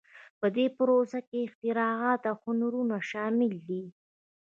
په دې پروسه کې اختراعات او هنرونه شامل دي.